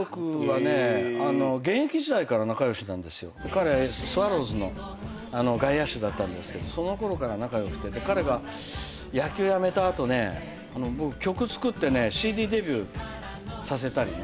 彼スワローズの外野手だったんですけどそのころから仲良くて彼が野球辞めた後ね僕曲作ってねＣＤデビューさせたりね。